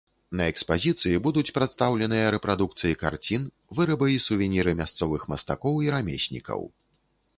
На экспазіцыі будуць прадстаўленыя рэпрадукцыі карцін, вырабы і сувеніры мясцовых мастакоў і рамеснікаў.